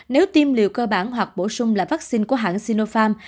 nếu tiêm liều cơ bản hoặc bổ sung là vaccine của hãng sinopharm